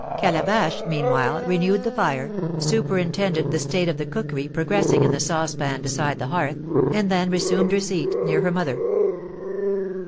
Calabash, meanwhile, renewed the fire, superintended the state of the cookery progressing in the saucepan beside the hearth, and then resumed her seat near her mother.